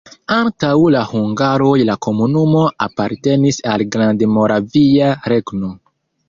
Antaŭ la hungaroj la komunumo apartenis al Grandmoravia Regno.